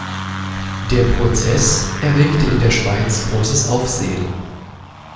Der Prozess erregte in der Schweiz großes Aufsehen.